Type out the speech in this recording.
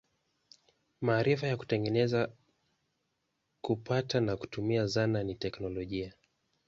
Maarifa ya kutengeneza, kupata na kutumia zana ni teknolojia.